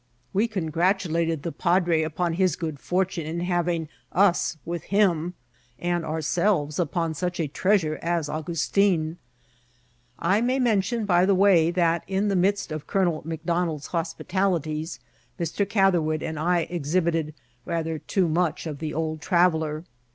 We congrat ulated the padre upon his good fortune in having us with him, and ourselves upon such a treasure as Au gustin. I may mention, by the way, that, in the midst of Colonel McDonald's hospitalities, Mr. Catherwood and I exhibited rather too much of the old traveller.